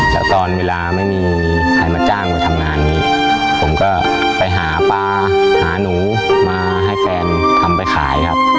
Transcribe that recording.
แล้วตอนเวลาไม่มีใครมาจ้างมาทำงานนี้ผมก็ไปหาปลาหาหนูมาให้แฟนทำไปขายครับ